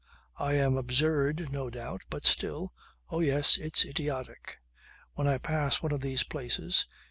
I am absurd, no doubt, but still ... Oh yes it's idiotic. When I pass one of these places